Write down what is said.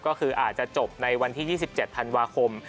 ก็คืออาจจะจบในวันที่๒๗ธันวาคม